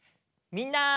みんな！